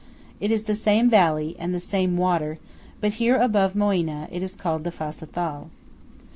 It is the same valley, and the same water; but here above Moena, it is called the Fassa Thal.